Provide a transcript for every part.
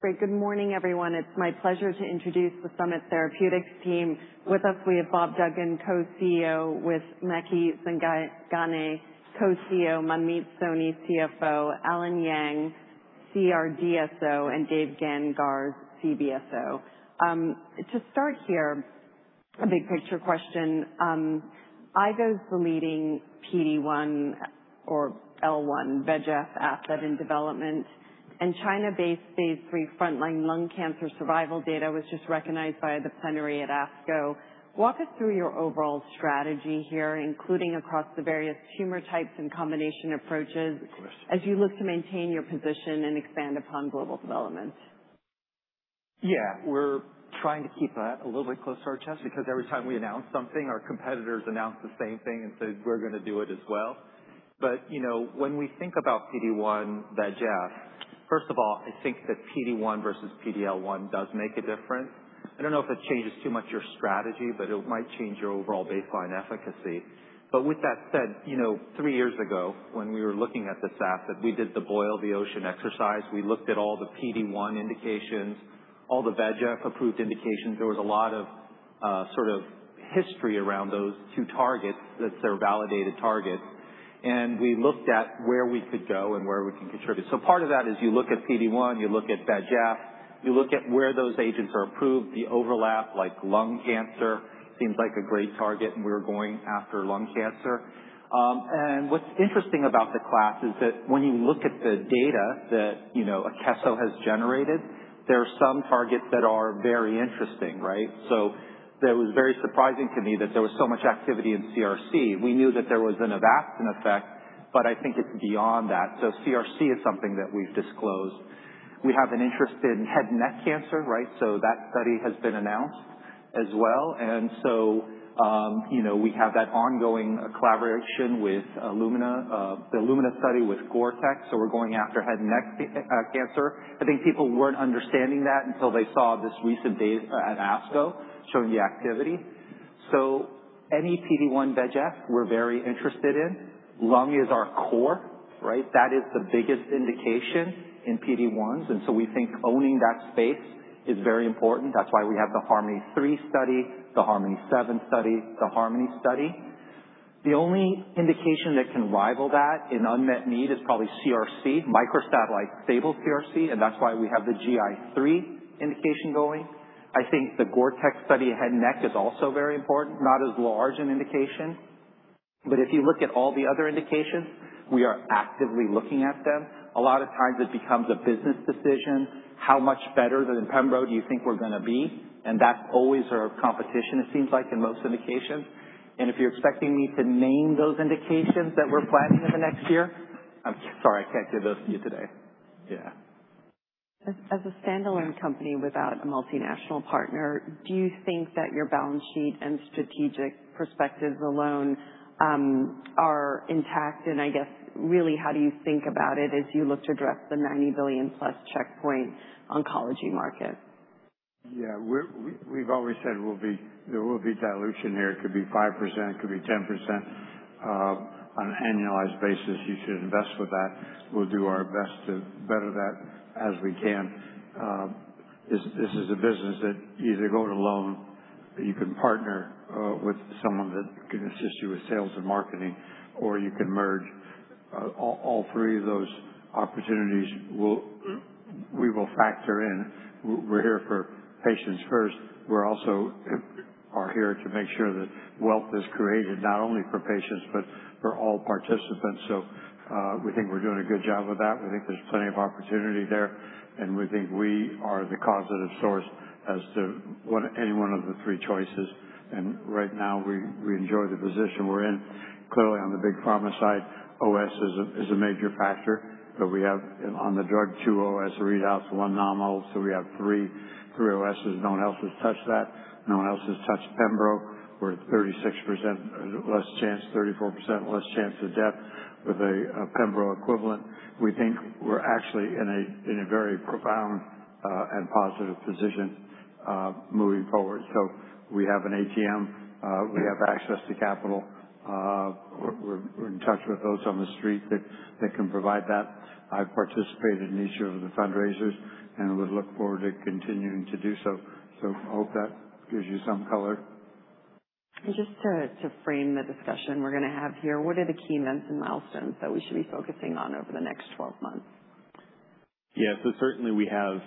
Great. Good morning, everyone. It's my pleasure to introduce the Summit Therapeutics team. With us, we have Bob Duggan, Co-CEO, with Maky Zanganeh, Co-CEO, Manmeet Soni, CFO, Allen Yang, CRDSO, and Dave Gancarz, CBSO. To start here, a big picture question. ivonescimab is the leading PD-1 or PDL-1 VEGF asset in development and China-based phase III frontline lung cancer survival data was just recognized by the plenary at ASCO. Walk us through your overall strategy here, including across the various tumor types and combination approaches- Of course. You look to maintain your position and expand upon global development. We're trying to keep that a little bit close to our chest, because every time we announce something, our competitors announce the same thing and say, "We're going to do it as well." When we think about PD-1 VEGF, first of all, I think that PD-1 versus PDL-1 does make a difference. I don't know if it changes too much your strategy, but it might change your overall baseline efficacy. With that said, three years ago, when we were looking at this asset, we did the boil the ocean exercise. We looked at all the PD-1 indications, all the VEGF approved indications. There was a lot of history around those two targets, that they're validated targets. We looked at where we could go and where we could contribute. Part of that is you look at PD-1, you look at VEGF. You look at where those agents are approved, the overlap, like lung cancer seems like a great target. We're going after lung cancer. What's interesting about the class is that when you look at the data that Akeso has generated, there are some targets that are very interesting, right? That was very surprising to me that there was so much activity in CRC. We knew that there was an Avastin effect, but I think it's beyond that. CRC is something that we've disclosed. We have an interest in head neck cancer, right? That study has been announced as well. We have that ongoing collaboration with the ILLUMINATE study with GORTEC. We're going after head and neck cancer. I think people weren't understanding that until they saw this recent data at ASCO showing the activity. Any PD-1 VEGF, we're very interested in. Lung is our core. That is the biggest indication in PD-1s. We think owning that space is very important. That's why we have the HARMONi-3 study, the HARMONi-7 study, the HARMONi study. The only indication that can rival that in unmet need is probably CRC, microsatellite stable CRC. That's why we have the HARMONi-GI3 indication going. I think the GORTEC study head and neck is also very important. Not as large an indication. If you look at all the other indications, we are actively looking at them. A lot of times it becomes a business decision. How much better than pembrolizumab do you think we're going to be? That's always our competition, it seems like, in most indications. If you're expecting me to name those indications that we're planning in the next year, I'm sorry, I can't give those to you today. Yeah. As a standalone company without a multinational partner, do you think that your balance sheet and strategic perspectives alone are intact? I guess, really, how do you think about it as you look to address the $90 billion plus checkpoint oncology market? Yeah. We've always said there will be dilution here. It could be 5%, it could be 10%, on an annualized basis. You should invest with that. We'll do our best to better that as we can. This is a business that you either go it alone, or you can partner with someone that can assist you with sales and marketing, or you can merge. All three of those opportunities we will factor in. We're here for patients first. We also are here to make sure that wealth is created, not only for patients but for all participants. We think we're doing a good job with that. We think there's plenty of opportunity there. We think we are the causative source as to any one of the three choices. Right now, we enjoy the position we're in. Clearly, on the big pharma side, OS is a major factor. We have on the drug two OS readouts, one nominal, we have three OS's. No one else has touched that. No one else has touched pembrolizumab. We're at 34% less chance of death with a pembrolizumab equivalent. We think we're actually in a very profound and positive position moving forward. We have an ATM. We have access to capital. We're in touch with those on the Street that can provide that. I've participated in each of the fundraisers and would look forward to continuing to do so. Hope that gives you some color. Just to frame the discussion we're going to have here, what are the key events and milestones that we should be focusing on over the next 12 months? Yeah. Certainly we have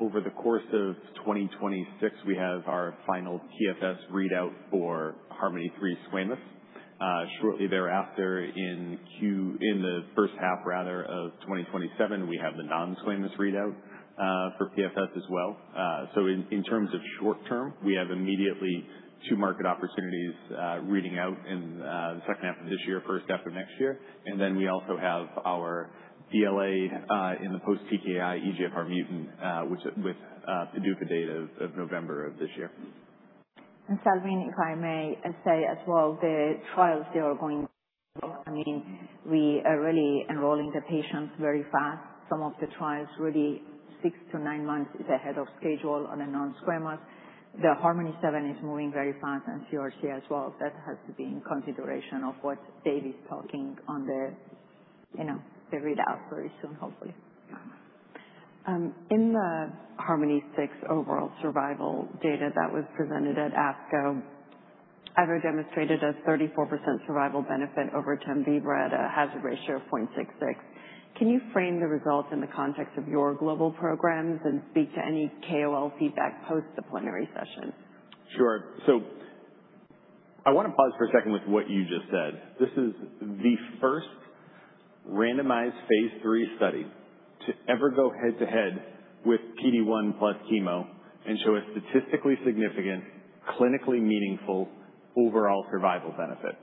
over the course of 2026, we have our final PFS readout for HARMONi-3 squamous. Shortly thereafter, in the first half rather of 2027, we have the non-squamous readout for PFS as well. In terms of short-term, we have immediately two market opportunities reading out in the second half of this year, first half of next year. Then we also have our BLA in the post-TKI EGFR mutant, with PDUFA date of November of this year. Salveen, if I may say as well, the trials, they are going I mean, we are really enrolling the patients very fast. Some of the trials really six to nine months is ahead of schedule on the non-squamous. The HARMONi-7 is moving very fast and CRC as well. That has to be in consideration of what Dave is talking on the readout very soon, hopefully. In the HARMONi-6 overall survival data that was presented at ASCO, ever demonstrated a 34% survival benefit over pembri at a hazard ratio of 0.66. Can you frame the results in the context of your global programs and speak to any KOL feedback post the plenary session? Sure. I want to pause for a second with what you just said. This is the first randomized phase III study to ever go head-to-head with PD-1 plus chemo and show a statistically significant, clinically meaningful overall survival benefit.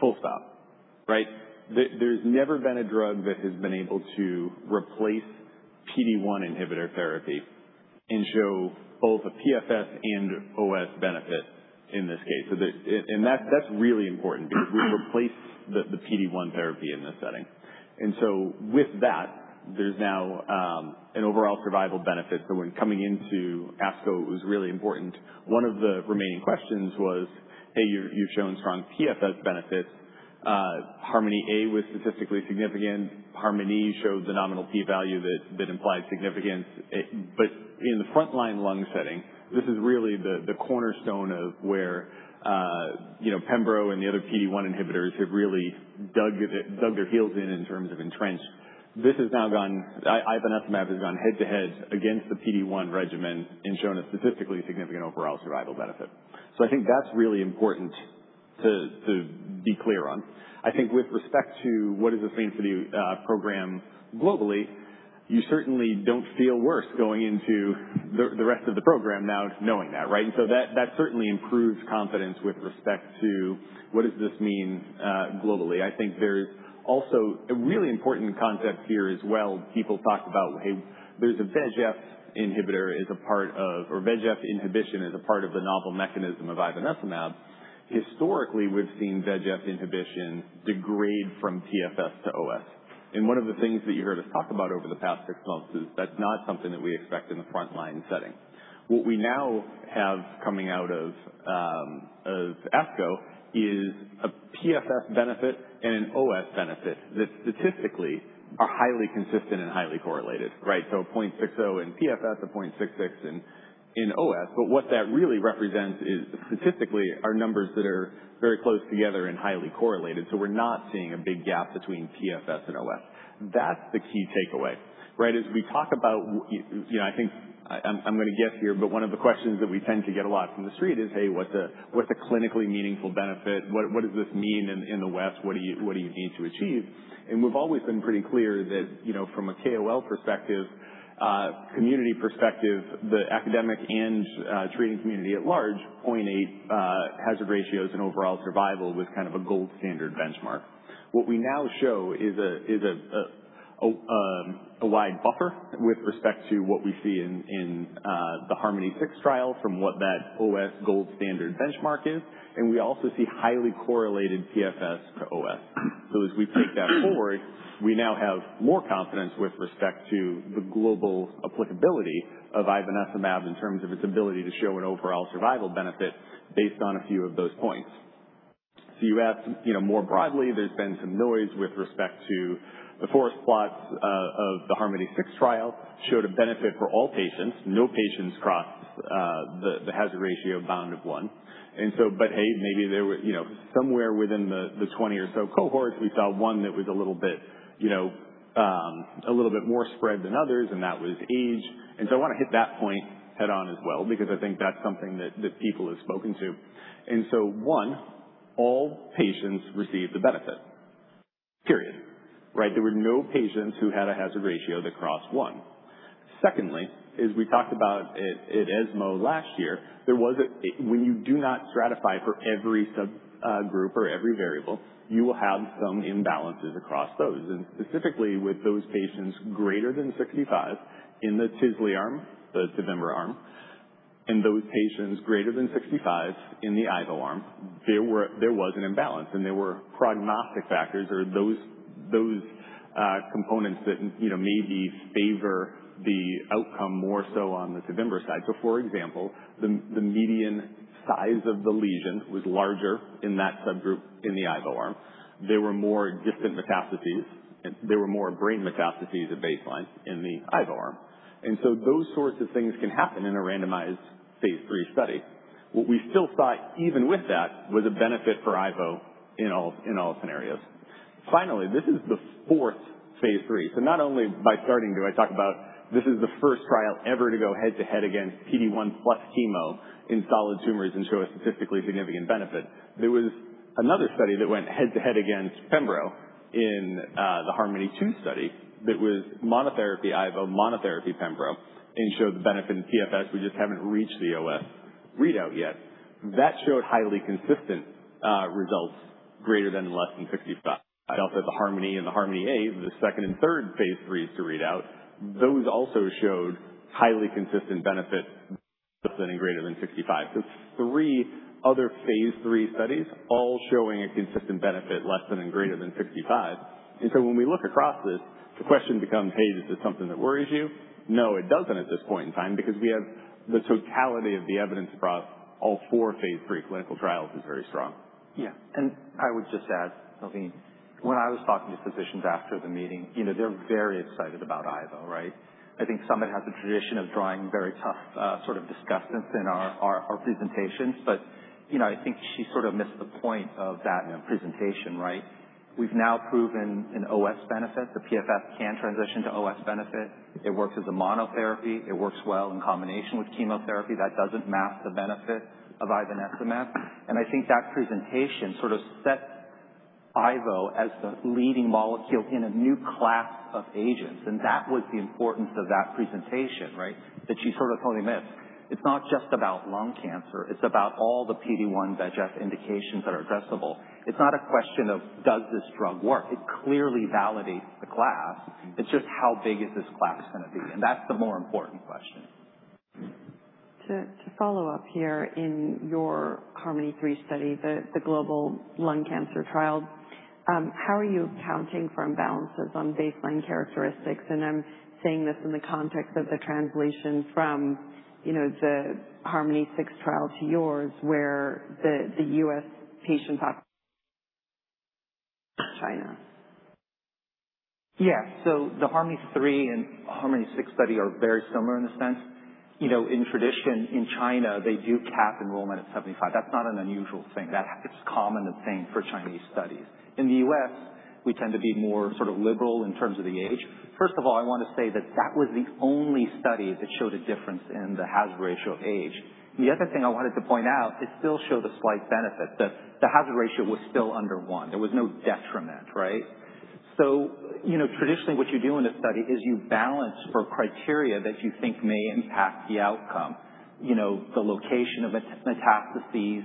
Full stop. Right? There's never been a drug that has been able to replace PD-1 inhibitor therapy and show both a PFS and OS benefit in this case. That's really important because we replaced the PD-1 therapy in this setting. With that, there's now an overall survival benefit. When coming into ASCO, it was really important. One of the remaining questions was, hey, you've shown strong PFS benefits. HARMONi-A was statistically significant. HARMONi showed the nominal P value that implies significance. In the frontline lung setting, this is really the cornerstone of where pembro and the other PD-1 inhibitors have really dug their heels in terms of entrenched. ivonescimab has gone head-to-head against the PD-1 regimen and shown a statistically significant overall survival benefit. I think that's really important to be clear on. I think with respect to what does this mean for the program globally, you certainly don't feel worse going into the rest of the program now knowing that, right? That certainly improves confidence with respect to what does this mean globally. I think there's also a really important concept here as well. People talk about, hey, there's a VEGF inhibitor is a part of, or VEGF inhibition is a part of the novel mechanism of ivonescimab. Historically, we've seen VEGF inhibition degrade from PFS to OS. One of the things that you heard us talk about over the past six months is that's not something that we expect in the frontline setting. What we now have coming out of ASCO is a PFS benefit and an OS benefit that statistically are highly consistent and highly correlated. Right? 0.6 in PFS or 0.66 in OS. What that really represents is statistically are numbers that are very close together and highly correlated. We're not seeing a big gap between PFS and OS. That's the key takeaway, right? As we talk about, I think I'm going to guess here, but one of the questions that we tend to get a lot from the street is, hey, what's a clinically meaningful benefit? What does this mean in the OS? What do you need to achieve? We've always been pretty clear that from a KOL perspective, community perspective, the academic and treating community at large, 0.8 hazard ratios and overall survival was kind of a gold standard benchmark. What we now show is a wide buffer with respect to what we see in the HARMONi-6 trial from what that OS gold standard benchmark is, and we also see highly correlated PFS to OS. As we take that forward, we now have more confidence with respect to the global applicability of ivonescimab in terms of its ability to show an overall survival benefit based on a few of those points. You asked more broadly, there's been some noise with respect to the forest plots of the HARMONi-6 trial showed a benefit for all patients. No patients crossed the hazard ratio bound of one. Hey, maybe there were somewhere within the 20 or so cohorts, we saw one that was a little bit more spread than others, and that was age. I want to hit that point head on as well, because I think that's something that people have spoken to. One, all patients received the benefit, period. Right? There were no patients who had a hazard ratio that crossed one. Secondly, as we talked about at ESMO last year, when you do not stratify for every subgroup or every variable, you will have some imbalances across those, and specifically with those patients greater than 65 in the tislelizumab arm, the TEVIMBRA arm, and those patients greater than 65 in the Ivo arm, there was an imbalance, and there were prognostic factors or those components that maybe favor the outcome more so on the TEVIMBRA side. For example, the median size of the lesion was larger in that subgroup in the Ivo arm. There were more distant metastases, and there were more brain metastases at baseline in the Ivo arm. Those sorts of things can happen in a randomized phase III study. What we still saw, even with that, was a benefit for Ivo in all scenarios. Finally, this is the fourth phase III. Not only by starting do I talk about this is the first trial ever to go head-to-head against PD-1 plus chemo in solid tumors and show a statistically significant benefit. There was another study that went head-to-head against Pembro in the HARMONi-2 study. That was monotherapy Ivo, monotherapy Pembro, and showed the benefit in PFS. We just haven't reached the OS readout yet. That showed highly consistent results greater than, less than 65. The HARMONi and the HARMONi-A, the second and third phase IIIs to read out, those also showed highly consistent benefits less than and greater than 65. Three other phase III studies all showing a consistent benefit less than and greater than 65. When we look across this, the question becomes, "Hey, is this something that worries you?" No, it doesn't at this point in time, because we have the totality of the evidence across all four phase III clinical trials is very strong. Yeah. I would just add, Salveen, when I was talking to physicians after the meeting, they're very excited about Ivo, right? I think Summit has a tradition of drawing very tough sort of discussants in our presentations. I think she sort of missed the point of that presentation, right? We've now proven an OS benefit. The PFS can transition to OS benefit. It works as a monotherapy. It works well in combination with chemotherapy, that doesn't mask the benefit of ivonescimab. I think that presentation sort of sets Ivo as the leading molecule in a new class of agents, and that was the importance of that presentation, right? That she sort of totally missed. It's not just about lung cancer, it's about all the PD-1, PD-1/VEGF indications that are addressable. It's not a question of, does this drug work? It clearly validates the class. It's just how big is this class going to be? That's the more important question. To follow up here, in your HARMONi-3 study, the global lung cancer trial, how are you accounting for imbalances on baseline characteristics? I'm saying this in the context of the translation from the HARMONi-6 trial to yours, where the U.S. patient China. Yeah. The HARMONi-3 and HARMONi-6 study are very similar in a sense. In tradition, in China, they do cap enrollment at 75. That's not an unusual thing. That is common and same for Chinese studies. In the U.S., we tend to be more sort of liberal in terms of the age. First of all, I want to say that that was the only study that showed a difference in the hazard ratio of age. The other thing I wanted to point out, it still showed a slight benefit, that the hazard ratio was still under one. There was no detriment, right. The location of metastases,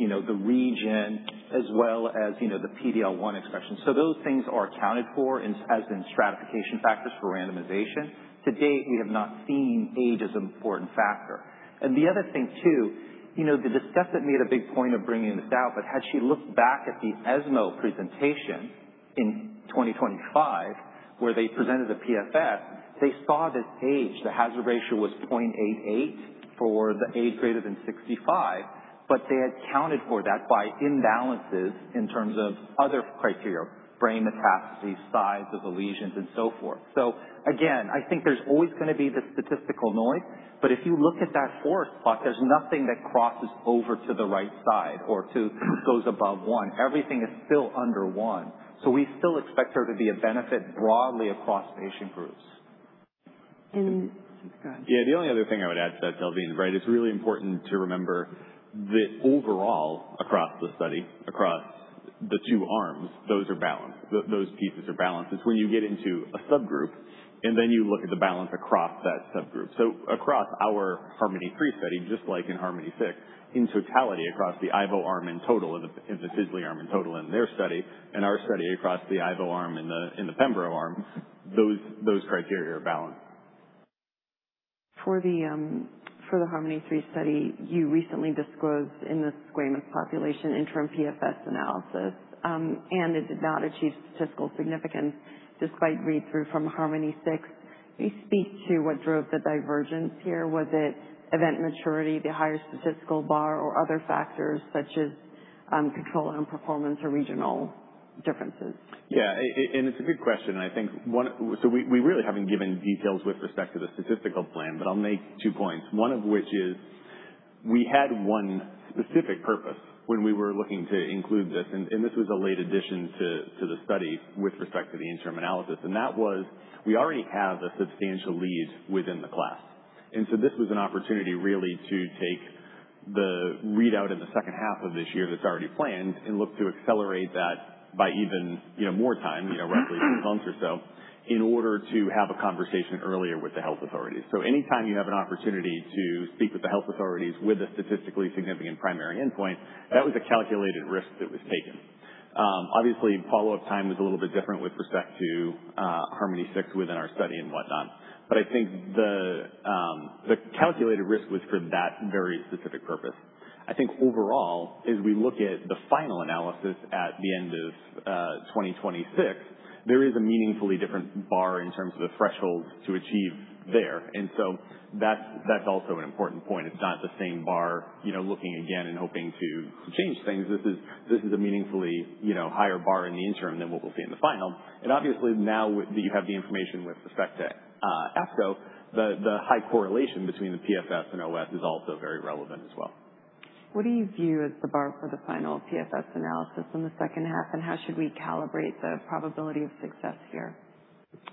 the region, as well as the PDL-1 expression. Those things are accounted for as in stratification factors for randomization. To date, we have not seen age as an important factor. The other thing too, the discussant made a big point of bringing this out, but had she looked back at the ESMO presentation in 2025, where they presented the PFS, they saw that age, the hazard ratio was 0.88 for the age greater than 65, but they had accounted for that by imbalances in terms of other criteria, brain metastases, size of the lesions, and so forth. Again, I think there's always going to be the statistical noise, but if you look at that forest plot, there's nothing that crosses over to the right side or goes above one. Everything is still under one. We still expect there to be a benefit broadly across patient groups. Go ahead. Yeah. The only other thing I would add to that, Salveen, right, it's really important to remember that overall, across the study, across the two arms, those are balanced. Those pieces are balanced. It's when you get into a subgroup, then you look at the balance across that subgroup. Across our HARMONi-3 study, just like in HARMONi-6, in totality across the Ivo arm in total and the tisli arm in total in their study and our study across the Ivo arm and the Pembro arm, those criteria are balanced. For the HARMONi-3 study, you recently disclosed in the squamous population interim PFS analysis, it did not achieve statistical significance despite read-through from HARMONi-6. Can you speak to what drove the divergence here? Was it event maturity, the higher statistical bar, or other factors such as control on performance or regional differences? Yeah. It's a good question. We really haven't given details with respect to the statistical plan, I'll make two points. One of which is, we had one specific purpose when we were looking to include this, and this was a late addition to the study with respect to the interim analysis. That was, we already have a substantial lead within the class. This was an opportunity really to take the readout in the second half of this year that's already planned and look to accelerate that by even more time, roughly six months or so, in order to have a conversation earlier with the health authorities. Anytime you have an opportunity to speak with the health authorities with a statistically significant primary endpoint, that was a calculated risk that was taken. Obviously, follow-up time is a little bit different with respect to HARMONi-6 within our study and whatnot. I think the calculated risk was for that very specific purpose. I think overall, as we look at the final analysis at the end of 2026, there is a meaningfully different bar in terms of the thresholds to achieve there. That's also an important point. It's not the same bar, looking again and hoping to change things. This is a meaningfully higher bar in the interim than what we'll see in the final. Obviously now that you have the information with respect to ASCO, the high correlation between the PFS and OS is also very relevant as well. What do you view as the bar for the final PFS analysis in the second half, and how should we calibrate the probability of success here?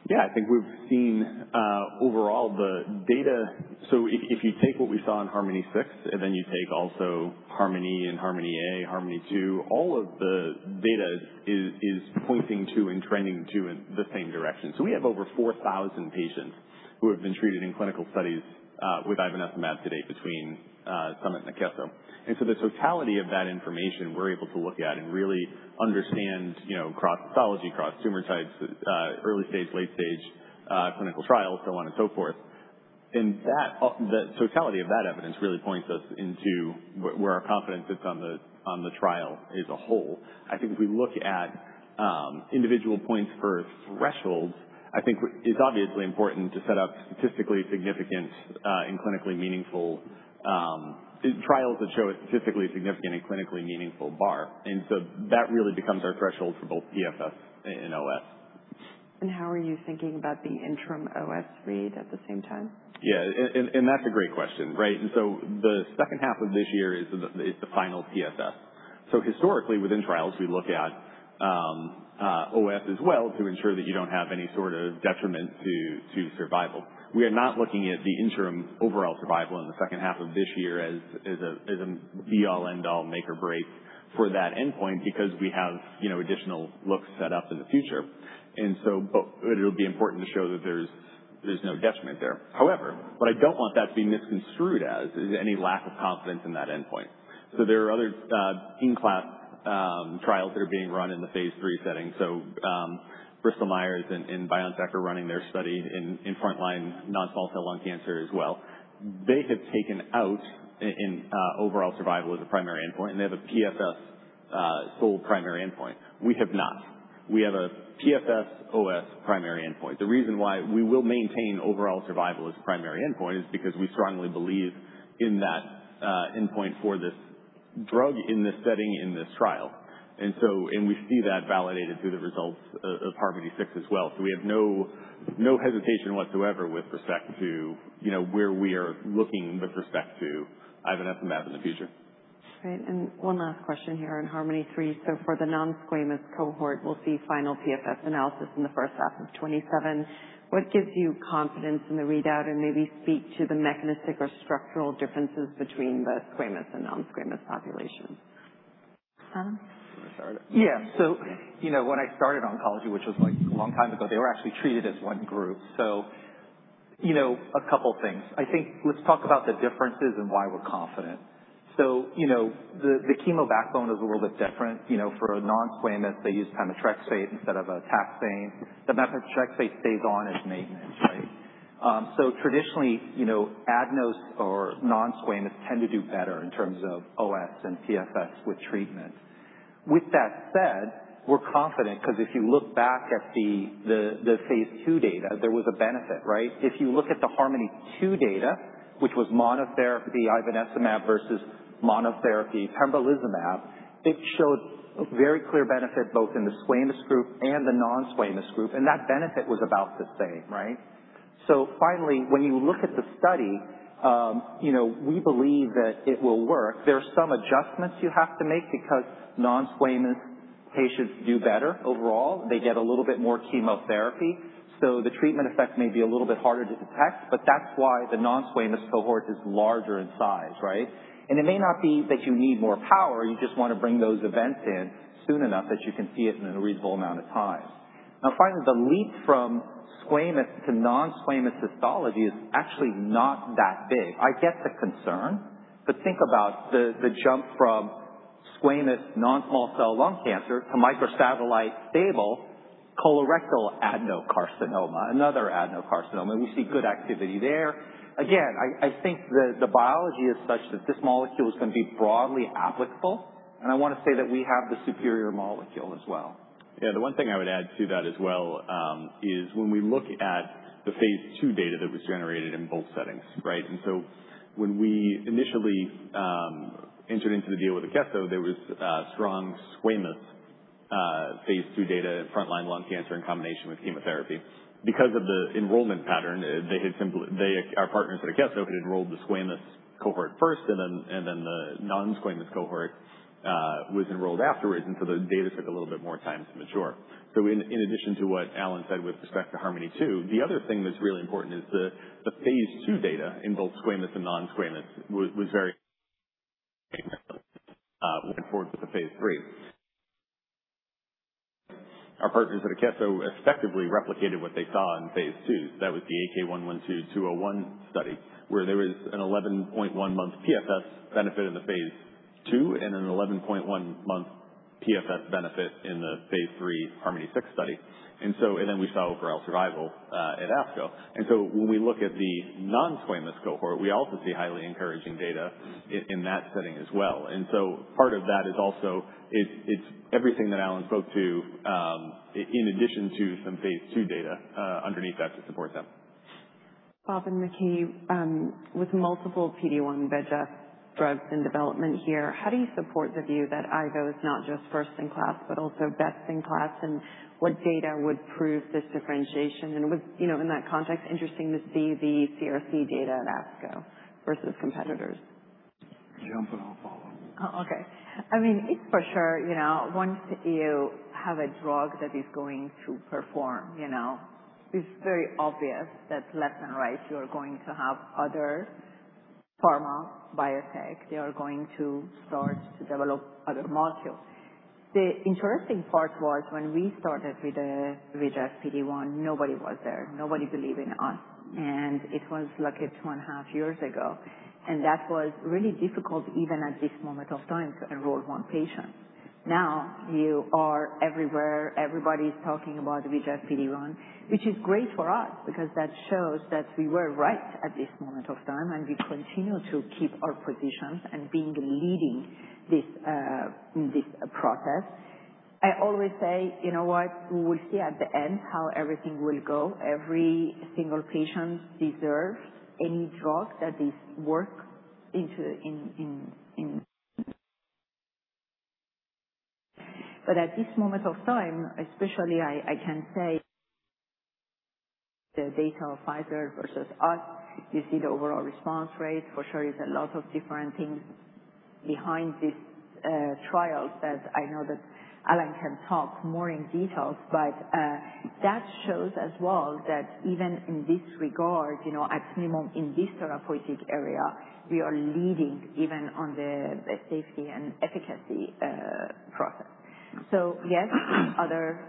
Yeah. I think we've seen overall the data. If you take what we saw in HARMONi-6, then you take also HARMONi and HARMONi-A, HARMONi-2, all of the data is pointing to and trending to in the same direction. We have over 4,000 patients who have been treated in clinical studies with ivonescimab to date between Summit and Akeso. The totality of that information, we're able to look at and really understand across pathology, across tumor types, early stage, late stage clinical trials, so on and so forth. The totality of that evidence really points us into where our confidence is on the trial as a whole. I think if we look at individual points per threshold, I think it's obviously important to set up statistically significant and clinically meaningful trials that show a statistically significant and clinically meaningful bar. That really becomes our threshold for both PFS and OS. How are you thinking about the interim OS read at the same time? That's a great question. The second half of this year is the final PFS. Historically, within trials, we look at OS as well to ensure that you don't have any sort of detriment to survival. We are not looking at the interim overall survival in the second half of this year as a be-all, end-all make or break for that endpoint because we have additional looks set up in the future. It'll be important to show that there's no detriment there. However, what I don't want that to be misconstrued as is any lack of confidence in that endpoint. There are other in-class trials that are being run in the phase III setting. Bristol Myers and BioNTech are running their study in frontline non-small cell lung cancer as well. They have taken out an overall survival as a primary endpoint, and they have a PFS sole primary endpoint. We have not. We have a PFS OS primary endpoint. The reason why we will maintain overall survival as a primary endpoint is because we strongly believe in that endpoint for this drug in this setting, in this trial. We see that validated through the results of HARMONi-3 as well. We have no hesitation whatsoever with respect to where we are looking with respect to ivonescimab in the future. Great. One last question here on HARMONi-3. For the non-squamous cohort, we'll see final PFS analysis in the first half of 2027. What gives you confidence in the readout? Maybe speak to the mechanistic or structural differences between the squamous and non-squamous populations. Allen? You want to start it? Yeah. When I started oncology, which was a long time ago, they were actually treated as one group. A couple things. I think let's talk about the differences and why we're confident. The chemo backbone is a little bit different. For a non-squamous, they use pemetrexed instead of a taxane. The pemetrexed stays on as maintenance, right? Traditionally, adenos or non-squamous tend to do better in terms of OS and PFS with treatment. With that said, we're confident because if you look back at the phase II data, there was a benefit, right? If you look at the HARMONi-2 data, which was monotherapy ivonescimab versus monotherapy pembrolizumab, it showed a very clear benefit both in the squamous group and the non-squamous group, and that benefit was about the same, right? Finally, when you look at the study, we believe that it will work. There's some adjustments you have to make because non-squamous patients do better overall. They get a little bit more chemotherapy, the treatment effect may be a little bit harder to detect, but that's why the non-squamous cohort is larger in size, right? It may not be that you need more power, you just want to bring those events in soon enough that you can see it in a reasonable amount of time. Finally, the leap from squamous to non-squamous histology is actually not that big. I get the concern, but think about the jump from squamous non-small cell lung cancer to microsatellite stable colorectal adenocarcinoma, another adenocarcinoma. We see good activity there. I think the biology is such that this molecule is going to be broadly applicable, and I want to say that we have the superior molecule as well. Yeah. The one thing I would add to that as well, is when we look at the phase II data that was generated in both settings, right? When we initially entered into the deal with Akeso, there was strong squamous phase II data in frontline lung cancer in combination with chemotherapy. Because of the enrollment pattern, our partners at Akeso had enrolled the squamous cohort first, then the non-squamous cohort was enrolled afterwards, the data took a little bit more time to mature. In addition to what Allen said with respect to HARMONi-2, the other thing that's really important is the phase II data in both squamous and non-squamous went forward with the phase III. Our partners at Akeso effectively replicated what they saw in phase II. That was the AK112-201 study, where there was an 11.1-month PFS benefit in the phase II and an 11.1-month PFS benefit in the phase III HARMONi-6 study. We saw overall survival at ASCO. When we look at the non-squamous cohort, we also see highly encouraging data in that setting as well. Part of that is also it's everything that Allen spoke to, in addition to some phase II data underneath that to support them. Bob and Maky, with multiple PD-1/VEGF drugs in development here, how do you support the view that ivo is not just first in class but also best in class? What data would prove this differentiation? Would, in that context, interesting to see the CRC data at ASCO versus competitors? Jump and I'll follow. Oh, okay. I mean, it's for sure, once you have a drug that is going to perform, it's very obvious that left and right you are going to have other pharma, biotech, they are going to start to develop other molecules. The interesting part was when we started with the VEGF PD-1, nobody was there, nobody believe in us. It was like it's 1.5 years ago. That was really difficult even at this moment of time to enroll one patient. Now you are everywhere. Everybody's talking about the VEGF PD-1, which is great for us because that shows that we were right at this moment of time. We continue to keep our positions and being leading in this process. I always say, you know what? We will see at the end how everything will go. Every single patient deserves any drug that they work in. At this moment of time, especially, I can say the data of Pfizer versus us. If you see the overall response rate, for sure, it's a lot of different things behind these trials that I know that Allen can talk more in details. That shows as well that even in this regard, at minimum in this therapeutic area, we are leading even on the safety and efficacy process. Yes, other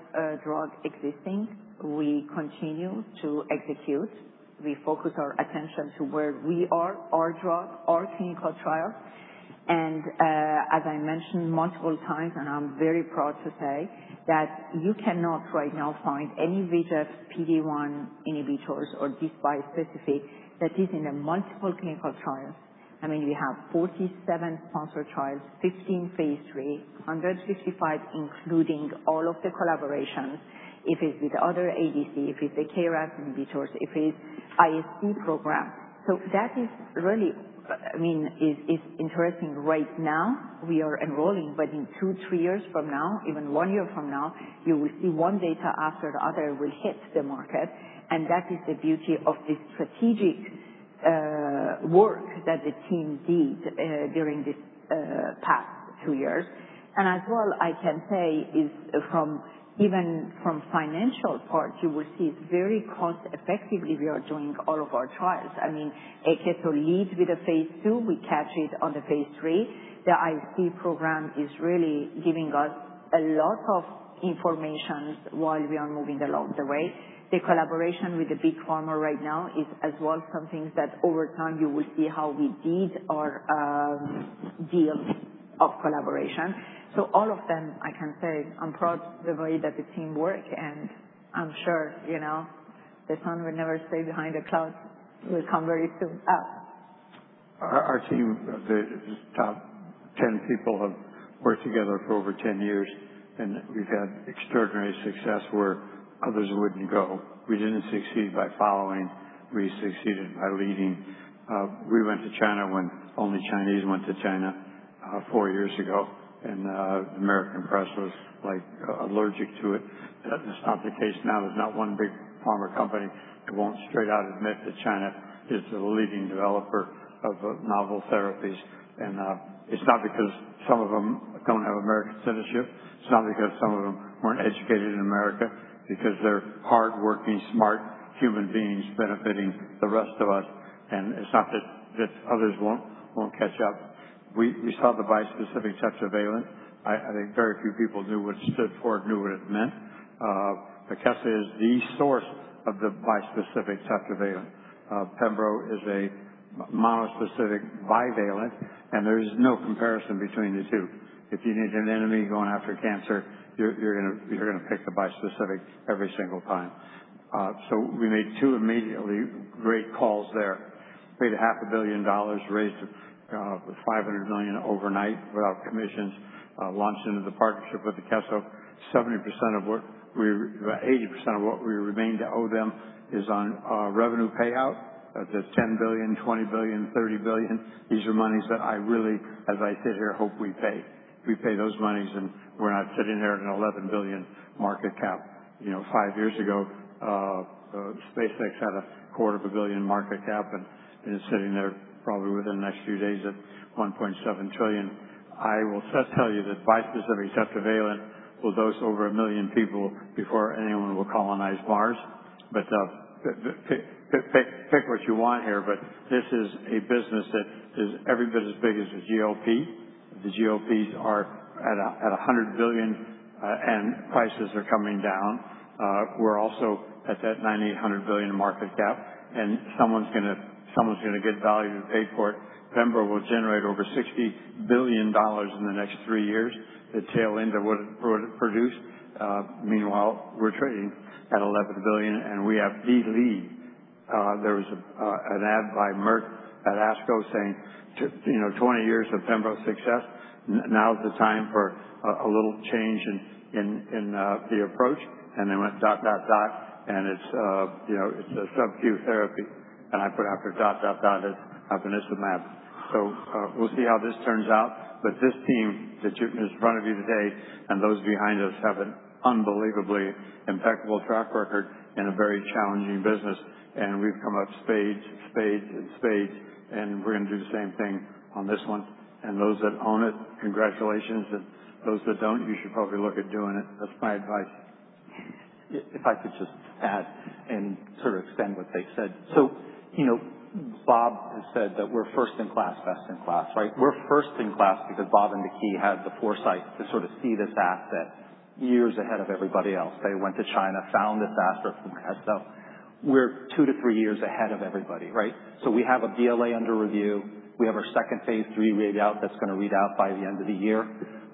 drugs existing, we continue to execute. We focus our attention to where we are, our drug, our clinical trials. As I mentioned multiple times, I'm very proud to say that you cannot right now find any VEGF PD-1 inhibitors or this bispecific that is in a multiple clinical trial. We have 47 sponsored trials, 15 phase III, 155, including all of the collaborations, if it's with other ADC, if it's the KRAS inhibitors, if it's IIT program. That is really interesting right now. We are enrolling, but in two, three years from now, even one year from now, you will see one data after the other will hit the market. That is the beauty of this strategic work that the team did during these past two years. As well, I can say is from even from financial part, you will see it's very cost effective if you are doing all of our trials. Akeso leads with the phase II, we catch it on the phase III. The IC program is really giving us a lot of informations while we are moving along the way. The collaboration with the Big Pharma right now is as well, something that over time you will see how we did our deals of collaboration. All of them, I can say, I'm proud the way that the team work. I'm sure the sun will never stay behind the clouds, will come very soon. Our team, the top 10 people, have worked together for over 10 years. We've had extraordinary success where others wouldn't go. We didn't succeed by following. We succeeded by leading. We went to China when only Chinese went to China four years ago. The American press was allergic to it. That is not the case now. There's not one big pharma company that won't straight out admit that China is the leading developer of novel therapies. It's not because some of them don't have American citizenship. It's not because some of them weren't educated in America, because they're hardworking, smart human beings benefiting the rest of us. It's not that others won't catch up. We saw the bispecific tetravalent. I think very few people knew what it stood for, knew what it meant. Akeso is the source of the bispecific tetravalent. Pembro is a monospecific bivalent. There is no comparison between the two. If you need an enemy going after cancer, you're going to pick the bispecific every single time. We made two immediately great calls there. Paid a $500 million, raised $500 million overnight without commissions, launched into the partnership with Akeso. 80% of what we remain to owe them is on revenue payout. That's $10 billion, $20 billion, $30 billion. These are monies that I really, as I sit here, hope we pay. If we pay those monies and we're not sitting there at an $11 billion market cap. Five years ago, SpaceX had a quarter of a billion market cap and is sitting there probably within the next few days at $1.7 trillion. I will tell you that bispecific tetravalent will dose over 1 million people before anyone will colonize Mars. Pick what you want here, but this is a business that is every bit as big as the GLP-1. The GLP-1s are at $100 billion. Prices are coming down. We're also at that $9,800 billion market cap. Someone's going to get value paid for it. Pembro will generate over $60 billion in the next three years. The tail end of what it produced. Meanwhile, we're trading at $11 billion. We have the lead. There was an ad by Merck at ASCO saying, "20 years of Pembro success. Now's the time for a little change in the approach." They went. It's a sub-Q therapy. I put after, it's ivonescimab. We'll see how this turns out. This team that is in front of you today and those behind us have an unbelievably impeccable track record in a very challenging business. We've come up spades, and spades. We're going to do the same thing on this one. Those that own it, congratulations. Those that don't, you should probably look at doing it. That's my advice. If I could just add and sort of extend what they said. Bob has said that we're first in class, best in class, right? We're first in class because Bob and Maky had the foresight to sort of see this asset years ahead of everybody else. They went to China, found this asset from Akeso. We're two to three years ahead of everybody, right? We have a BLA under review. We have our second phase III readout that's going to read out by the end of the year,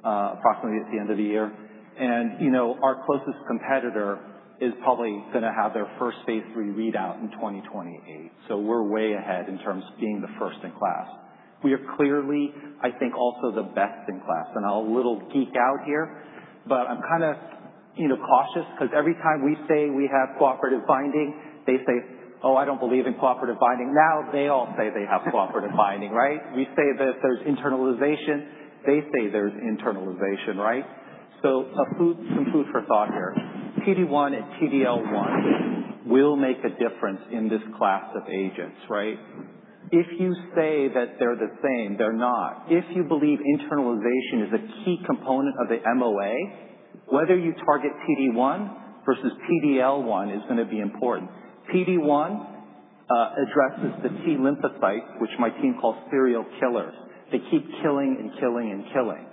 approximately at the end of the year. Our closest competitor is probably going to have their first phase III readout in 2028. We're way ahead in terms of being the first in class. We are clearly, I think, also the best in class. I'll little geek out here, but I'm kind of cautious because every time we say we have cooperative binding, they say, "Oh, I don't believe in cooperative binding." They all say they have cooperative binding, right? We say that there's internalization, they say there's internalization, right? Some food for thought here. PD-1 and PDL-1 will make a difference in this class of agents, right? If you say that they're the same, they're not. If you believe internalization is a key component of the MOA, whether you target PD-1 versus PDL-1 is going to be important. PD-1 addresses the T lymphocytes, which my team calls serial killers. They keep killing and killing and killing.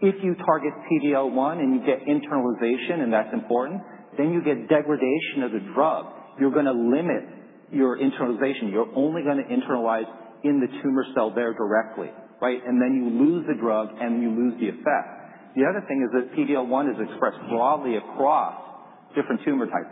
If you target PD-L1 and you get internalization, and that's important, then you get degradation of the drug. You're going to limit your internalization. You're only going to internalize in the tumor cell there directly, right? Then you lose the drug, and you lose the effect. The other thing is that PD-L1 is expressed broadly across different tumor types.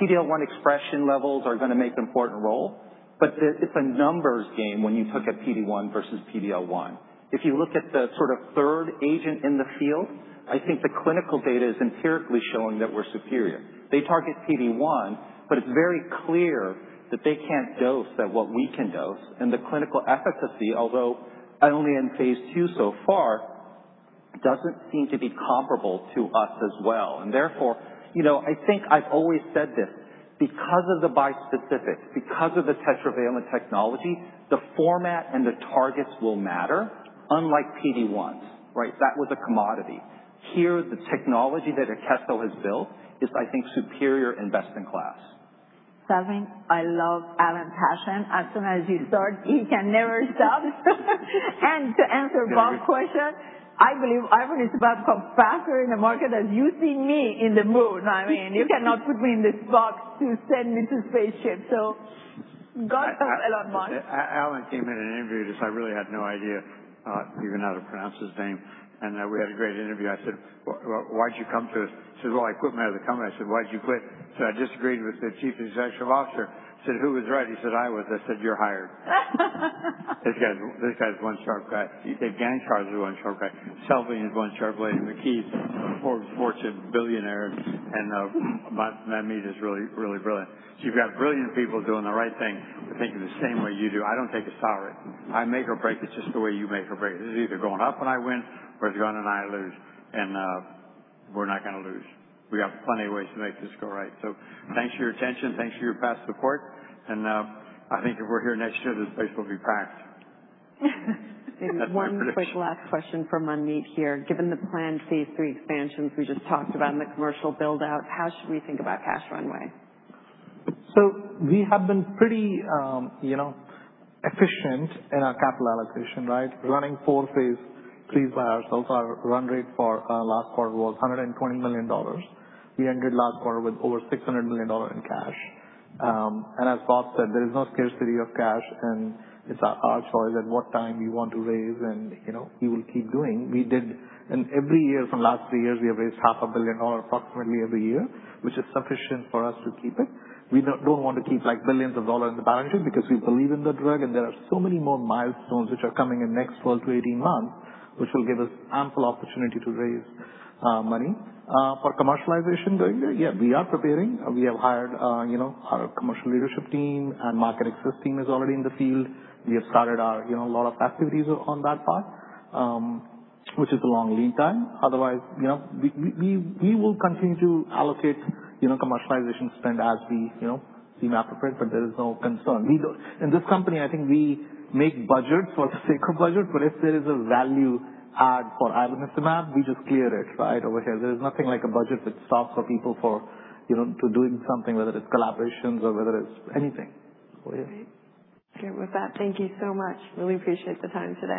PD-L1 expression levels are going to make important role, but it's a numbers game when you look at PD-1 versus PD-L1. If you look at the sort of third agent in the field, I think the clinical data is empirically showing that we're superior. They target PD-1, but it's very clear that they can't dose at what we can dose. The clinical efficacy, although only in phase II so far, doesn't seem to be comparable to us as well. Therefore, I think I've always said this, because of the bispecific, because of the tetravalent technology, the format and the targets will matter, unlike PD-1s, right? That was a commodity. Here, the technology that Akeso has built is, I think, superior and best in class. Salveen, I love Allen's passion. As soon as you start, you can never stop. To answer Bob's question, I believe ivonescimab is about to come faster in the market as you see me in the mood. I mean, you cannot put me in this box to send me to spaceship. God help a lot, Bob. Allen came in and interviewed us. I really had no idea even how to pronounce his name. We had a great interview. I said, "Why'd you come to us?" He said, "Well, I quit another company." I said, "Why'd you quit?" He said, "I disagreed with the Chief Executive Officer." I said, "Who was right?" He said, "I was." I said, "You're hired." This guy's one sharp guy. Dave Gancarz is one sharp guy. Salveen is one sharp lady. Manmeet, fortune billionaire, and Manmeet is really brilliant. You've got brilliant people doing the right thing and thinking the same way you do. I don't take a salary. I make or break it just the way you make or break it. This is either going up and I win, or it's going and I lose. We're not going to lose. We have plenty of ways to make this go right. Thanks for your attention. Thanks for your past support. I think if we're here next year, this place will be packed. One quick last question for Manmeet here. Given the planned phase III expansions we just talked about and the commercial build-out, how should we think about cash runway? We have been pretty efficient in our capital allocation, right? Running four phase III's by ourselves. Our run rate for last quarter was $120 million. We ended last quarter with over $600 million in cash. As Bob said, there is no scarcity of cash, and it's our choice at what time we want to raise, and we will keep doing. We did in every year from the last three years, we have raised $500 million approximately every year, which is sufficient for us to keep it. We don't want to keep billions of dollars in the balance sheet because we believe in the drug, and there are so many more milestones which are coming in next 12-18 months, which will give us ample opportunity to raise money. For commercialization going there, we are preparing. We have hired our commercial leadership team. Market access team is already in the field. We have started a lot of activities on that part, which is a long lead time. Otherwise, we will continue to allocate commercialization spend as we see map appropriate, but there is no concern. In this company, I think we make budgets for the sake of budget, but if there is a value add for ivonescimab, we just clear it, right, over here. There is nothing like a budget that stops for people for to doing something, whether it's collaborations or whether it's anything. Great. With that, thank you so much. Really appreciate the time today.